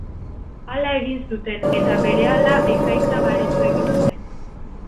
Hala egin zuten, eta, berehala, ekaitza baretu egin zen.